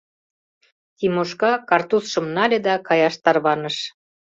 — Тимошка картузшым нале да каяш тарваныш.